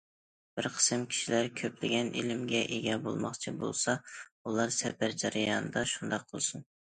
بىر قىسىم كىشىلەر كۆپلىگەن ئىلىمگە ئىگە بولماقچى بولسا، ئۇلار سەپەر جەريانىدا شۇنداق قىلسۇن.